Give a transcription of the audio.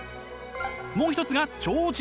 もう一つが超人。